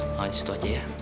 mama disitu aja ya